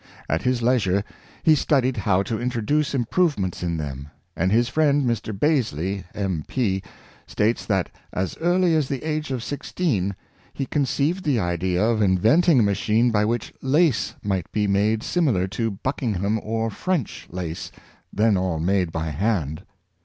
At his leisure he studied how to introduce improvements in them, and his friend, Mr. Bazley, M. P., states that as early as the age of six teen he conceived the idea of inventing a machine by which lace mio^ht be made similar to Buckino^ham or French lace, then all made by hand.